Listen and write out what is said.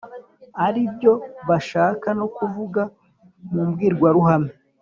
ari byo bashaka no kuvuga mu mbwirwaruhame.